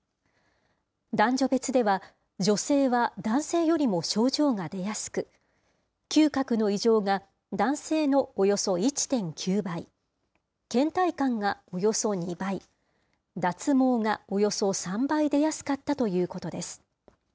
男女別では、女性は男性よりも症状が出やすく、嗅覚の異常が男性のおよそ１．９倍、けん怠感がおよそ２倍、脱毛がおよそ３倍出やすかったということです。